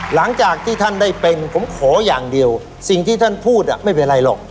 หลังจากที่ท่านได้เป็นผมขออย่างเดียวสิ่งที่ท่านพูดไม่เป็นไรหรอก